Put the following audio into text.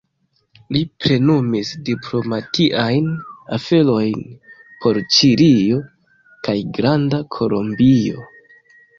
Li plenumis diplomatiajn aferojn por Ĉilio kaj Granda Kolombio.